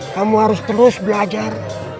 kamu harus terus belajar